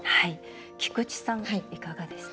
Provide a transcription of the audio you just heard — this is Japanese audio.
菊地さん、いかがでした？